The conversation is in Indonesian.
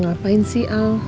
ngapain sih al